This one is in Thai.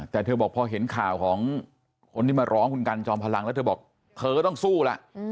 แต่เธอบอกพอเห็นข่าวของคนที่มาร้องคุณกันจอมพลังแล้วเธอบอกเธอก็ต้องสู้ล่ะ